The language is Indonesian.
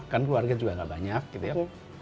kan keluarga juga nggak banyak gitu ya